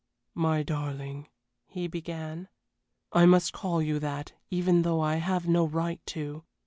"My darling," he began. "I must call you that even though I have no right to.